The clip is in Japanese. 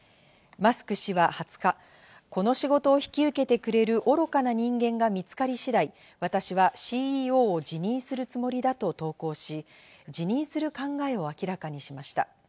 マスク氏は２０日、この仕事を引き受けてくれる愚かな人間が見つかり次第、私はＣＥＯを辞任するつもりだと投稿し、辞任する考えを明らかにしました。